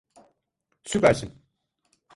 Süpersin!